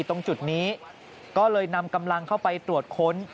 ตรงจุดนี้ก็เลยนำกำลังเข้าไปตรวจค้น